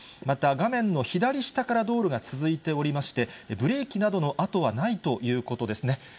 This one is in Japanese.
また、画面の左下から道路が続いておりまして、ブレーキなどの跡はないということですね。